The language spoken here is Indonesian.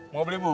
mau beliin bu